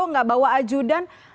nggak bawa ajudan